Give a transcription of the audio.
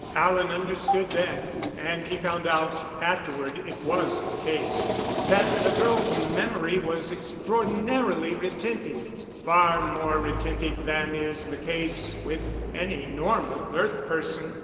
Alan understood then and he found out afterward it was the case that the girl's memory was extraordinarily retentive, far more retentive than is the case with any normal earth person.